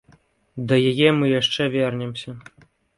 Да яе мы яшчэ вернемся.